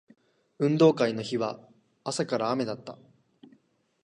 運動会の日は朝から雨だった